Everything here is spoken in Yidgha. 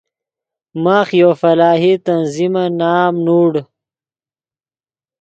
ماخ یو فلاحی تنظیمن نام نوڑ